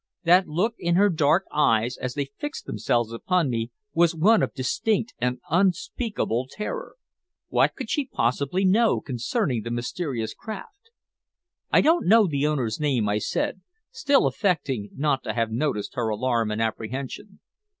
That look in her dark eyes as they fixed themselves upon me was one of distinct and unspeakable terror. What could she possibly know concerning the mysterious craft? "I don't know the owner's name," I said, still affecting not to have noticed her alarm and apprehension.